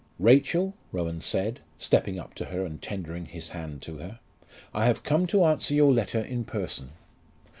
"Rachel!" Rowan said, stepping up to her and tendering his hand to her. "I have come to answer your letter in person."